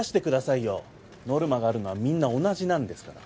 ノルマがあるのはみんな同じなんですから。